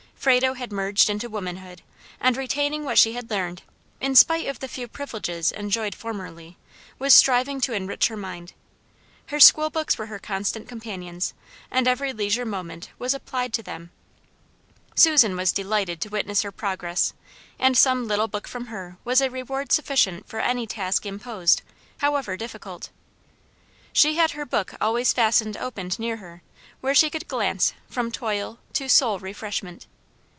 Frado had merged into womanhood, and, retaining what she had learned, in spite of the few privileges enjoyed formerly, was striving to enrich her mind. Her school books were her constant companions, and every leisure moment was applied to them. Susan was delighted to witness her progress, and some little book from her was a reward sufficient for any task imposed, however difficult. She had her book always fastened open near her, where she could glance from toil to soul refreshment.